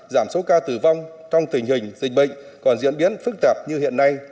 giảm số ca tử vong trong tình hình dịch bệnh còn diễn biến phức tạp như hiện nay